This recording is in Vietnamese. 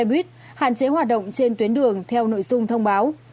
xe buýt hạn chế hoạt động trên tuyến đường theo nội dung thông báo